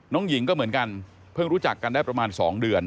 น้องหญิงก็เหมือนกันเพิ่งรู้จักกันได้ประมาณ๒เดือน